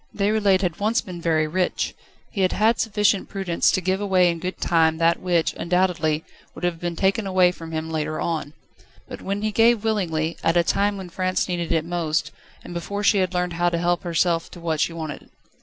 Déroulède had once been very rich. He had had sufficient prudence to give away in good time that which, undoubtedly, would have been taken away from him later on. But when he gave willingly, at a time when France needed it most, and before she had learned how to help herself to what she wanted.